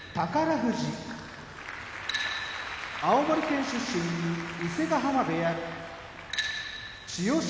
富士青森県出身伊勢ヶ濱部屋千代翔